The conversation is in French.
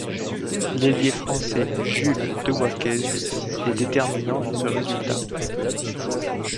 L'ailier français Jules Dewaquez est déterminant dans ce résultat.